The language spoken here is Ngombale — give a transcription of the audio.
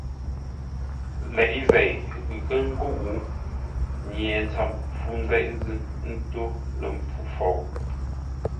Leʼé zei ghʉ nkə́ nkúʼ, nye ntsəm fû nzeʼ zʉ́ ńtó lə̂ mpfú fou.